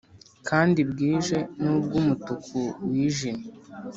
kandi bwije, nubwo umutuku wijimye,